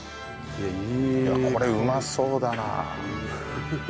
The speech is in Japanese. これうまそうだな。